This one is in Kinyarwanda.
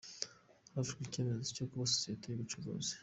Hafashwe icyemezo cyo kuba Sosiyete y’ubucuruzi